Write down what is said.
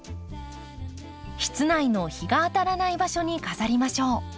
室内の日が当たらない場所に飾りましょう。